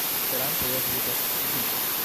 Esperanto ja ekzistas, vivas.